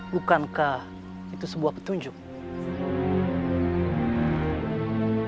bukankah itu sebuah kata kata yang terlalu banyak